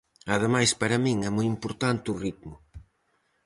Ademais para min é moi importante o ritmo.